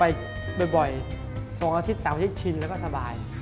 ๒อาทิตย์๓อาทิตย์ชินแล้วก็สบาย